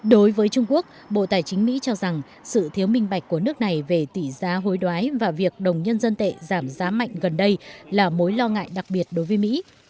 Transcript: đối với trung quốc bộ tài chính mỹ cho rằng sự thiếu minh bạch của nước này về tỷ giá hối đoái và việc đồng nhân dân tệ giảm giá mạnh gần đây là mối lo ngại đặc biệt đối với mỹ